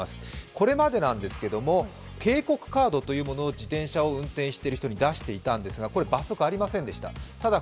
これまでなんですけれども、警告カードというものを自転車運転している人に出していたんですけれども、これ罰則ありませんでした。